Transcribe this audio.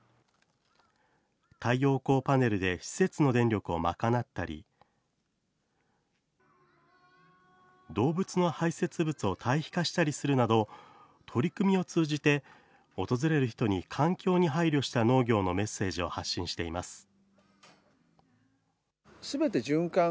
太陽光パネルで施設の電力を賄ったり、動物の排せつ物を堆肥化したりするなど、取り組みを通じて、訪れる人に環境に配慮した農業のメッセージを発信しています。